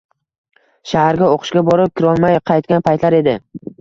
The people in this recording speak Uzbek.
shaharga oʼqishga borib kirolmay qaytgan paytlar edi.